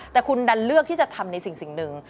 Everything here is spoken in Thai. แต่คุณดันเลือกที่จะทำในสิ่งหนึ่ง